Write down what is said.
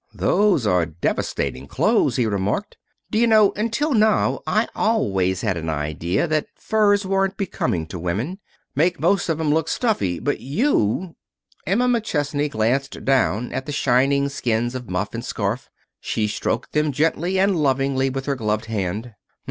"Those are devastating clothes," he remarked. "D'you know, until now I always had an idea that furs weren't becoming to women. Make most of 'em look stuffy. But you " Emma McChesney glanced down at the shining skins of muff and scarf. She stroked them gently and lovingly with her gloved hand.